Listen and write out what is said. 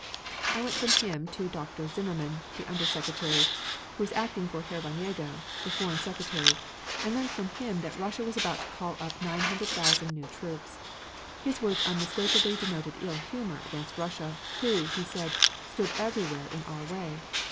I went from him to Dr. Zimmermann (the under Secretary) who was acting for Herr von Jagow (the Foreign Secretary), and learned from him that Russia was about to call up nine hundred thousand new troops. His words unmistakably denoted ill humor against Russia, who, he said, stood everywhere in our way.